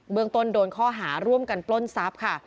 เมืองต้นโดนข้อหาร่วมกันปล้นทรัพย์ค่ะ